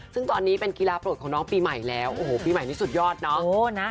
ซึ่งตอนนี้เป็นกีฬาโปรดของน้องปีใหม่แล้วโอ้โหปีใหม่นี้สุดยอดเนาะ